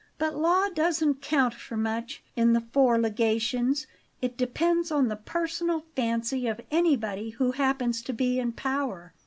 But law doesn't count for much in the Four Legations; it depends on the personal fancy of anybody who happens to be in power."